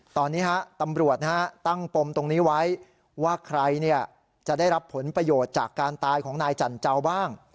ตอนนี้ตำรวจตั้งปมตรงนี้ไว้ว่าใครจะได้รับผลประโยชน์จากการตายของนายจันเจ้าบ้าง